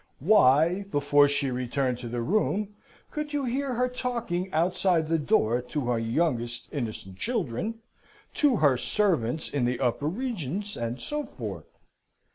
Why, before she returned to the room, could you hear her talking outside the door to her youngest innocent children, to her servants in the upper regions, and so forth?